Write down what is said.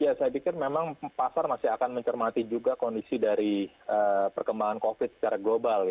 ya saya pikir memang pasar masih akan mencermati juga kondisi dari perkembangan covid secara global ya